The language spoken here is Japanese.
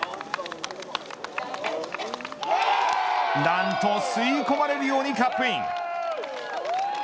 なんと吸い込まれるようにカップイン。